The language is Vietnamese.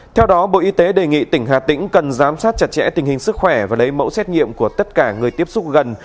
theo đó bộ y tế đề nghị tỉnh hà tĩnh cần giám sát chặt chẽ tình hình sức khỏe và lấy mẫu xét nghiệm của tất cả người tiếp xúc gần